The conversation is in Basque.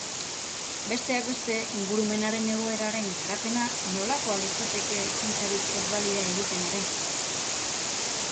Besteak beste, ingurumenaren egoeraren garapena nolakoa litzeteke ekintzarik ez balira egiten ere.